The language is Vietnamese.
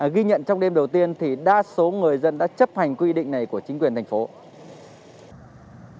ghi nhận trong đêm đầu tiên đa số người dân đã chấp hành quy định này của chính quyền tp hcm